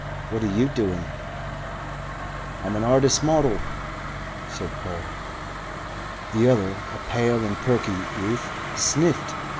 What are you doing?" "I'm an artist's model," said Paul. The other, a pale and perky youth, sniffed.